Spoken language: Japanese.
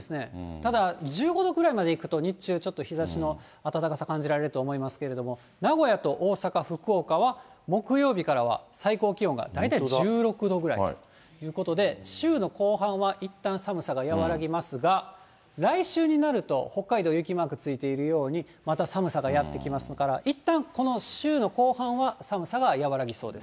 ただ１５度ぐらいまでいくと、日中、ちょっと日ざしの暖かさ感じられると思いますけれども、名古屋と大阪、福岡は、木曜日からは最高気温が大体１６度ぐらいということで、週の後半はいったん寒さが和らぎますが、来週になると北海道、雪マークついているように、また寒さがやって来ますから、いったんこの週の後半は寒さは和らぎそうです。